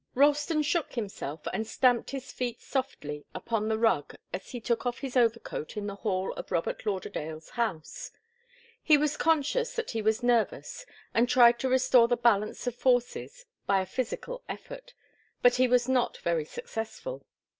Ralston shook himself and stamped his feet softly upon the rug as he took off his overcoat in the hall of Robert Lauderdale's house. He was conscious that he was nervous and tried to restore the balance of forces by a physical effort, but he was not very successful.